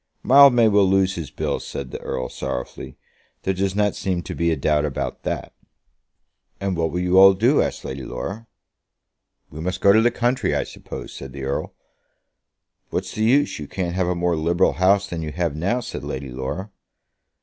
"Mildmay will lose his bill," said the Earl, sorrowfully. "There does not seem to be a doubt about that." "And what will you all do?" asked Lady Laura. "We must go to the country, I suppose," said the Earl. "What's the use? You can't have a more liberal House than you have now," said Lady Laura.